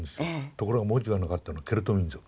ところが文字がなかったのがケルト民族。